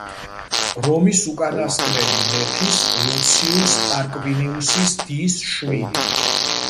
რომის უკანასკნელი მეფის ლუციუს ტარკვინიუსის დის შვილი.